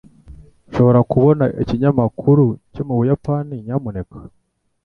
Nshobora kubona ikinyamakuru cyo mu Buyapani, nyamuneka?